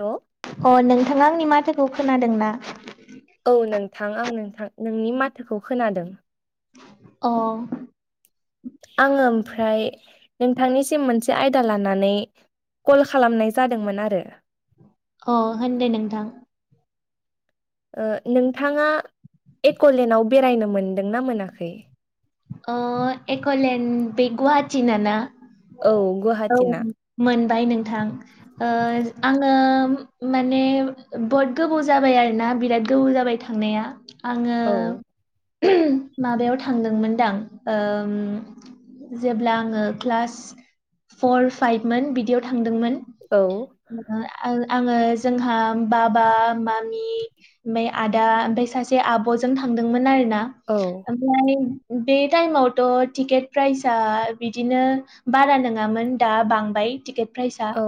हेल'। अ नोंथाङा आंनि माथोखौ खोनादों ना? औ नोंथां आं नोंथां नोंनि माथोखौ खोनादों। अह आङो ओमफ्राय नोंथांनिसिम मोनसे आयदा लानानै कल खालामनाय जादोंमोन आरो अ होनदो नोंथां ओ नोंथाङा एक'लेनाव बेरायनो मोनदोंना मोनाखै ओ एक'लेण्ड बे गुवाहाथिना ना औ गुवाहाटिना बाय नोंथां ओ आङो माने बहुत गोबाव जाबाय आरोना आं बिराद गोबाव जाबाय थांनाया आङो औ माबायाव थांदोंमोन दां ओम जेब्ला आङो क्लास फर फाइभ मोन बिदियाव थांदोंमोन औ आङो जोंहा बाबा मामि ओमाय आदा ओमफ्राय सासे आब'जों थांदोंमोन आरो ना औ ओमफ्राय बे टाइमावथ' टिकेट प्राइसआ बिदिनो बारा नङामोन दा बांबाय टिकेट प्राइजआ औ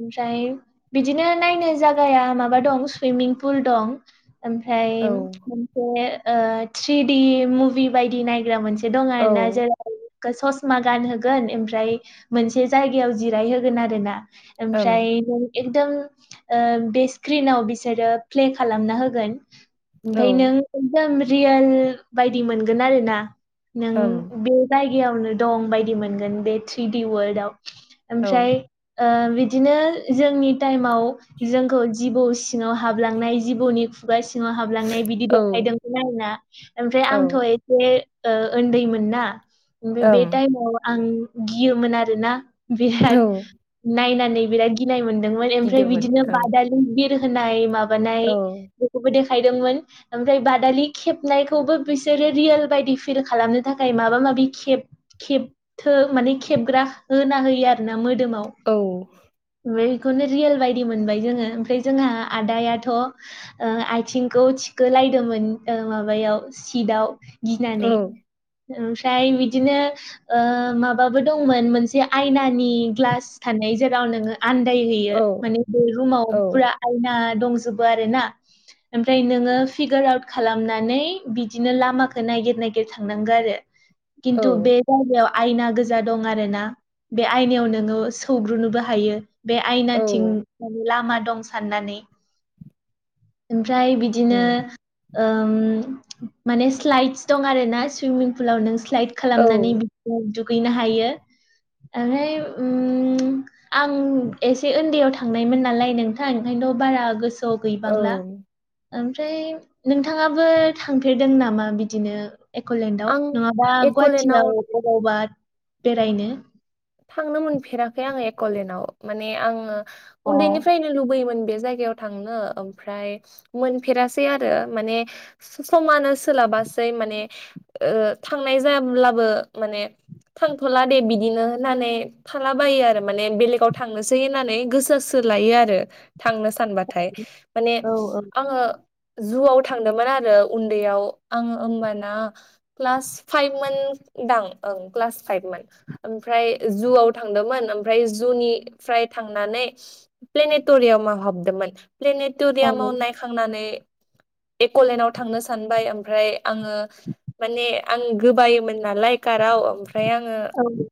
ओमफ्राय बिदिनो नायनो जागाया माबा दं सुइमिं पुल दं ओमफ्राय औ मोनसे ओ थ्रिडि मुभि बायदि नायग्रा मोनसे दं औ आरोना [unintelligible] ससमा गानहोगोन ओमफ्राय मोनसे जायगायाव जिराय होगोन आरो ना ओम एमफ्राय नों एकदम ओ बे स्क्रिनाव बिसोरो प्ले खालामना होगोन औ ओमफाय नों एकदम रियेल बायदि मोनगोन आरो ना नों ओम बे जायगायावनो दं बायदि मोनगोन बे थ्रिडि वर्ल्डआव औ ओमफ्राय ओ बिदिनो जोंनि टाइमाव जोंखौ जिबौ सिङाव हाबलांनाय जिबौनि खुगा सि ङाव हाबलांनाय बिदि औ देखायदोंमोन आरो ना ओमफ्राय औ आंथ' ओ एसे उन्दैमोन ना ओमफ्राय बे ओम टाइमाव आं गियोमोन आरोना बिराद औ नायनानै बिराद गिनाय मोनदोंमोन ओमफ्राय गिदोंमोन बिदिनो ओं बादालि बि होनाय माबानाय औ बेखौेबो दे खायदोंमोन ओमफ्राय बादालि खेबनायखौबो बिसोरो रियेल बायदि फिल खालामनो थाखाय माबा माबि खेब खेब थो माने खेबग्रा होना होयो आरोना मोदोमाव औ बेखौनो रियेल बायदि मोनबाय जोङो ओमफाय जोंहा आदायाथ' ओ आइथिंखौ थिखो लाय दोंमोन ओ माबायाव सिटआव गिनानै ओमफ्राय बिदिनो ओ माबाबो दंमोन मोनसे आयनानि ग्लास थानाय जेराव नोङो आन्दायहोयो औ माने बे रुमाव औ फुरा आयना दंजो आरो ना ओमफ्राय नोङो फिगार आउत खालामनानै बिदिनो लामा नायगिर नायगिर थांनांगौ आरो औ खिन्थु औ बे जायगायाव आयना गोजा दं आरोना बे आयनायाव नोङो सौग्रोनोबो हायो। बे औ आयनाथिं माने लामा दं साननानै ओमफ्राय बिदिनो उम ओम माने स्लाइदस दं आर ना सुइमिं पुलाव नों स्लाइट औ खालामनानै बिदि दुगैनो हायो। ओमफ्राय उम आं एसे उन्दैयाव थांनायमोन नालाय नोंथां ओंखायनो थ बारा गोसोआव औ गैबांला ओमफ्राय नोंथाङाबो थांफेरदों नामा बिदिनो? एकलेण्डाव आं नङाबा एक'लेण्डआव गुवाहाटियाव बबावबा बेरायनो? थांनो मोनफेराखै आङो एकलेणडाव माने आङो अ उन्दैनिफ्रायनो लुबैयोमोन बे जायगायाव थांनो ओमफ्राय मोफेरासै आरो माने समानो सोलाब बासै माने ओ थांनाय जाब्लाबो माने फानथला दे बिदिनो नानै थालाबायो आरो माने बेलेगाव थांनोसै होननानै गोसोसो लायो आरो थांनो सानबाथाय माने औ औ आङो जुआव थांदोंमोन आरो उन्दैयाव आङो होमबाना क्लास फाइभ मोन दां ओं क्लास फाइभमोन ओम ओमफ्राय जुवाव थांदोंमोन ओमफ्राय जुनिफ्राय थांनानै प्लेनेटरियाम आ हाबदोंमोन औ प्लेनेटरियामाव नायखांनानै एकलेेनडाव थांनो सानबाय ओमफ्राय आङो माने आं गोबायोमोन नालाय काराव ओमफ्राय आङो दङ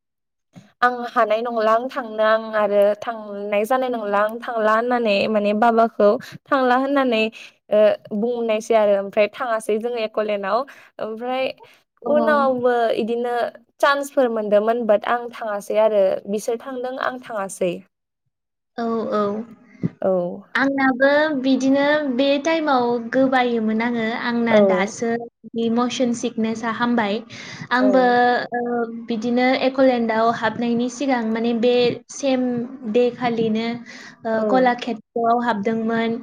आं हानाय नंला आं थांनो आं आरो थांनाय जानाय नंला आं थांला होननानै माने बाखौ थांला होननानै ओ बुंनायसै आरो ओमफ्राय थाङासै जोङो एकलेन्द आव। ओमफ्राय उनावबो इदिनो चान्सफोर मोनदोंमोन बात आं थाङासै आरो बिसोर थांदों आं थाङासै। औ औ औ आंनाबो बिदिनो बे टाइमाव गोबायोमोन आङो आंना औ दासो इमसन सिकनेसा हामबाय। औ आंबो बिदिनो एकलेण्डआव हाबनायनि सिगां माने बे सेम दे खालिनो ओ औ गलाषेत्रआव हाबदोंमोन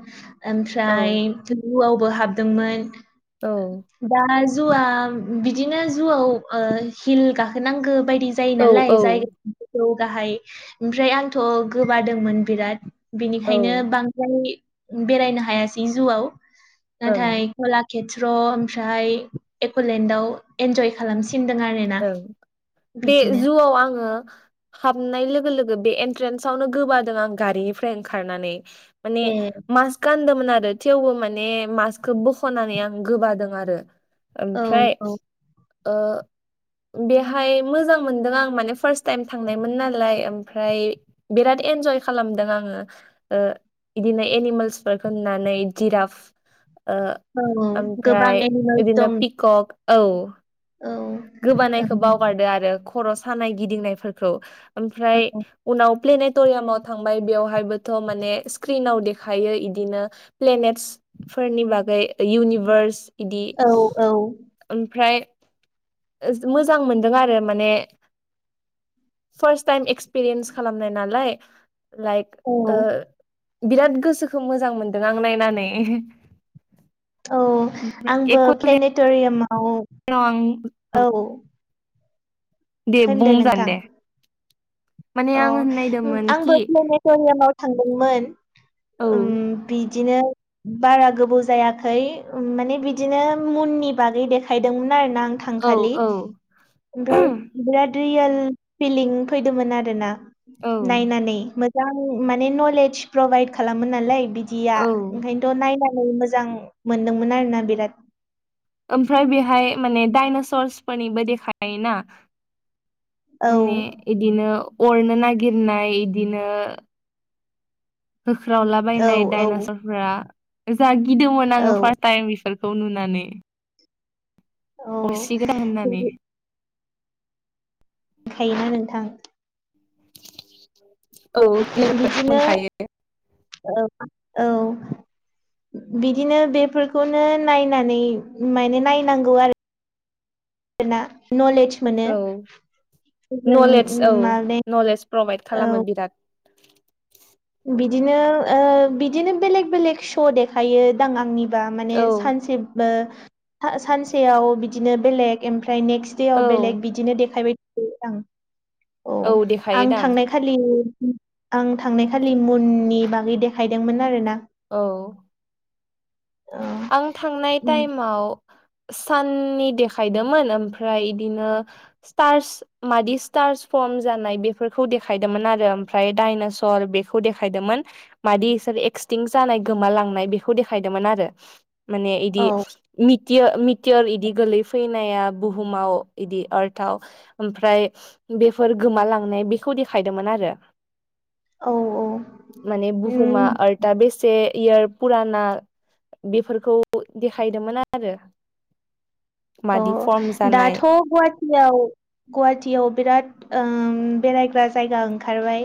औ ओमफ्राय जुआव बो हाबदोंमोन। औ दा जुवा बिदिनो जुआव ओ हिल गाखोनांगो बायदि जायो औ नालाय औ जायगाफोरखौ गाहाय ओमफ्राय आंथ गोबादोंमोन बिराद बेनिखायनो ओं बांद्राय बेरायनो हायासै जुआव नाथाय गला केेथ्र ओमफ्राय एकलेण्डआव एन्जय खालामसि ओं बे जुआव आङो हाबनाय लोगो लोगो बे एन्ट्रेन्सावनो गोबादों आं गारिनिफ्राय ओंखारनानै माने ए मासखान दमोन आरो थेवबो माने मास्कखौ बखनानै आं गोबादों आरो। औ ओमफ्राय औ ओ बेहाय मोजां मोनदों आं माने फार्स्ट टाइम थांनायमोन नालाय ओमफ्राय बिराद एन्जय खालामदों आङो। ओ बिदिनो एनिमेल्स फोरफोरखौ होननानै जिराफ ओ औ औ गोबां ओमफ्राय एनिमेल्स बिदिनो दं पिकक औ। औ औ गोबानायखौ बावगारदो आरो खर सानाय गिदिंनायफोरखौ। ओमफ्राय उनाव प्लेने टरियामाव थांबाय बेवहायबोथ माने स्क्रिनाव देखायो इदिनो प्लेनेटस फोरनि बागै इउनिभार्स इदि औ औ ओमफ्राय मोजां मोनदों आरो माने फार्स्ट टाइम एक्सपिरियेन्स खालामनाय नालाय लाइक औ ओ बिराद गोसोखौ मोजां मोनदों आं नायनानै। औ आंबो एक'लेन्डआव प्लेनेटरियाम [unintelligible] दे होनदो बुंजागोन नोंथां दे। माने अ आं होननायदोंमोन आंबो कि प्लेनेट'रियामाव थांदोंमोन। औ उम बिदिनो बारा गोबाव जायाखै माने बिदिनो मुननि बागै देखायदोंमोन। आरोना आं थांखालि औ ओमफ्राय बिदिनो रियेल फिलिं फैदोंमोन आरो औ नायनानै मोजां नलेज प्रभाइद खालामो नालाय बि बिदिया औ ओंखायनोथ' नायनानै मोजां मोनदोंमोन आरो ना बिराद ओमफ्राय बेहाय माने डाइनासर्सफोरनिबो देखायोना औ माने इदिनो अरनो नागिरनाय इदिनो औ होख्रावलाबायनाय औ दडाइनासर फोरा जा गिदोंमोन औ आङो फार्स्ट टाइम बिफोर खौ नुनानै औ अरसिगोन होननानै थायोना नोंथां? औ बिदिनो मोनखायो औ औ [inaudible] बिदिनो बेफोरखौनो नायनानै माने नायनांगौ आरो ना न'लेज मोनो औ जों नलेज औ [unintelligible] माने नलेज प्रभाइद औ खालामो बिराद बिदिनो बिदिनो बेलेक बेलेग श' देखायो दां आंनि बा माने औ सानसे बो सा सानसेयाव बिदिनो बेसेन ओमफ्राय ओमफ्राय नेक्स्ट देयाव औ बेलेग बिदिनो देखायबाय [unintelligible] थायो आं औ आं थांनाय खालि आं थांनाय खा थालिमुननि बागै देखायदोंमोन आरो ना औ आं थांनाय औ टाइमाव साननि देखायदोंमोन ओमफ्राय इदिनो स्टार्स मादि स्टार्स खम जानाय बिफोरखौ देखायदोंमोन आरो ओमफ्राय डायनासर बेखौ देखायदोंमोन मादि [unintelligible] एक्सटिं जानाय गोमा लांनाय बेखौ देखायदोंमोन आरो माने इदि औ मि [unintelligible] इदि गोलै फैनाया बुहुमाव इदि आलताव ओमफ्राय बेफोर गोमालांनाय बेखौ देखायदोंमोन आरो औ माने बुहुमा औ आलथा बेसे इयार पुराना बेफोरखौ देखायदोंमोन आरो मादि फर्म अ' दाथ' जानाय गुवाटीयाव गुवाटीयाव बिराद ओम बेरायग्रा जायगा ओंखारबाय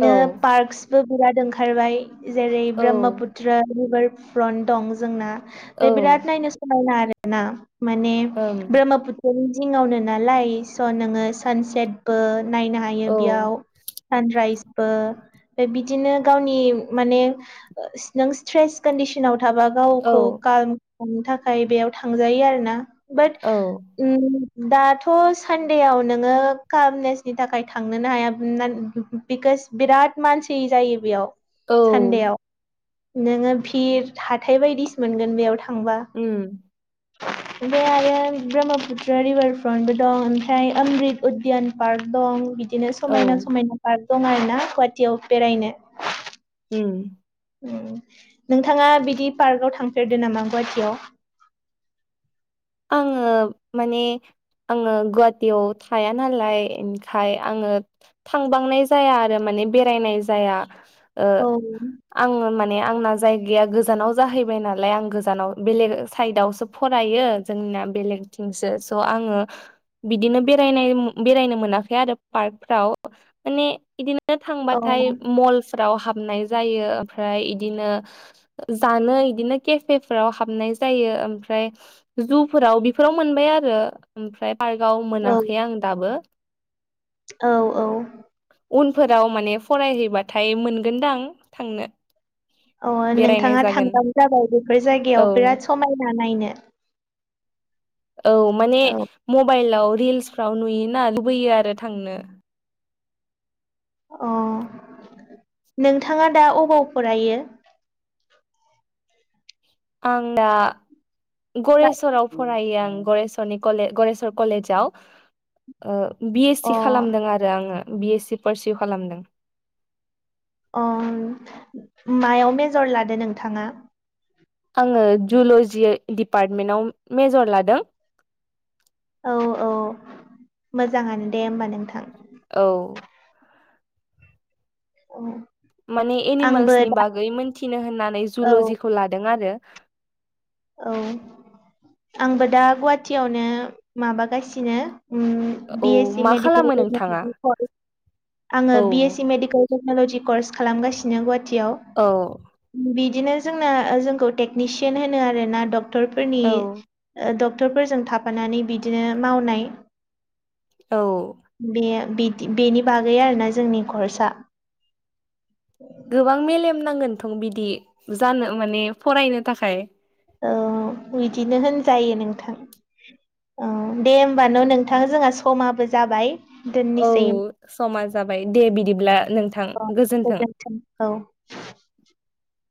औ पारसगबो बिराद ओंखारबाय जेरै औ ब्रह्मपुत्र रिभा फ्रन्ट दं जोंना औ दे बिराद नायनो समायना आरो ना माने ओम ब्रह्मपुत्र नि जिङाव नो नालाय स' नोङो सानसेबो नायनो हायो औ बियाव सानद्रायस बो बिदिनो गावनि माने ओ सिगां स्ते्स कोनदिसनाव थाबा गावखौ औ कारमफुदनि थाखाय बेयाव थां जायो आरो ना बाट औ उम दाथ' सानदेयाव नोङो कामलेसनि थाखाय थांनोनो हाया [unintelligible] इस बिराद मानसि जायो बेयाव औ सानदेआव नोङो भिर हाथाय बायदिसो मोनगोन बेयाव थां उम ओमफाय आरो ब्रह्मपुत्र रिभारफ्रन्टबो दं ओमफ्राय ओमबि्द उदियान पार्क दं बिदि इदिनो औ समायना समायना पार्क दं आरो ना गुवाटीयाव बेरायनो उम नोंथाङा बिदि पार्कआव थांफेरदो नामा गुवाहाटिीयाव आङो माने आङो गुवाहाटिीयाव थाया नालाय ओमखाय आङो थांबांनाय जाया आरो माने बेरायनाय जाया ओ औ आं माने आंना जायगाया गोजानाव जाहैबाय नालाय आं गोजानाव बेलेग साइदावसो फरायो जोंनिना बेलेगथिंसो स' आङो बिदिनो बेराय बेरायनो मोनाखै आरो माने बिदिनो औ थांबथाय मलफोराव हाबनाय जायो ओमफ्राय इदिनो जानो इदिनो केफे फोराव हाबनाय जायो ओमफ्राय जुफोराव बेफोराव मोनबाय आरो ओमफ्राय पार्कआव औ मोनाखै आं दाबो औ औ उनफोराव माने फरायहैबाथाय मोनगोनदां थांनो अ बेरायनाय नोंथाङा जागोन थांगबानो जाबाय बेफोर जायगायाव औ बिराद समायना नायनो औ माने औ मबाइलाव रिल्सफ्राव नुयोना लुबैयो आरो थांनो अ [unintelligible] नोंथाङा दा अबाव फरायो आं दा गरेस्वराव फन फरायो आं गरेस्वरनिलेज गरेस्वर कलेजाव बि एस अ सि खालामदों आरो आङो बिएस सि पारसिउ खालामदों अ मायाव मेजर लादो नोंथाङा आङो जुल'जि डपार्टमेन्टाव मेजर लादों औ औ मोजाङानो दे होमबा नोंथां औ औ माने आंबो एनिमेल्सनि दा बागै मोनथिनो होननानै औ जुल'जिखौ लादों आरो औ आंबो दा गुवाहाटियावनो माबागासिनो उ बि औ एस सि मा खालामो नोंथाङा मेडिकेल आङो औ बिएससि मेडिकेल टेक्न'लजि कर्स खालामगासिनो गुवाहाटियाव औ बि बिदिनो जोंना जोंखौ टेकनिसियान होनो आरो ना डक्टर औ फोरनिड डक्टरफोरजों थाफानानै बिदिनो मावनाय औ बि बेनि बागै आरोना जोंनि ख्रस आ गोबां मेलेम नांगोनथ' बिदि जानो माने फरायनो थाखाय औ बिदिनो होनजायो नोंथां औ दे होमबान' नोंथां जोंहा समाबो जाबाय औ दोननोसै समा जाबाय दे बिदिब्ला नोंथां गोजोन्थों गोजोनथों औ [unintelligible]